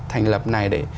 thành lập này để